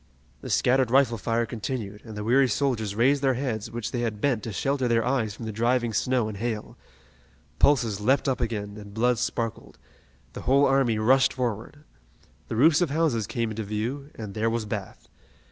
The scattered rifle fire continued, and the weary soldiers raised their heads which they had bent to shelter their eyes from the driving snow and hail. Pulses leaped up again, and blood sparkled. The whole army rushed forward. The roofs of houses came into view, and there was Bath.